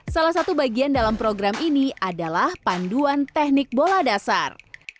salah satu bagian dalam program ini adalah panduan teknik bola dasar